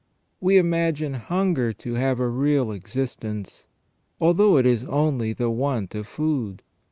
We imagine hunger to have a real existence, although it is only the want of food.